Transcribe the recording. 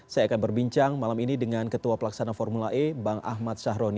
saya akan berbincang malam ini dengan ketua pelaksana formula e bang ahmad sahroni